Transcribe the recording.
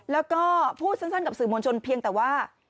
แล้วก็พูดสั้นกับสื่อมวลชนเพียงแต่ว่า